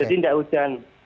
jadi tidak hujan